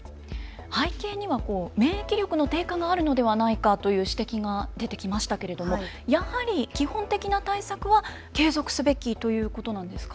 背景には免疫の低下があるのではないかという指摘が出てきましたけれどもやはり基本的な対策は継続すべきということなんですか。